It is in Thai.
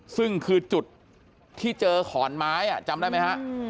ซึ่งคือจุดที่เจอขอนไม้จำได้ไหมฮะ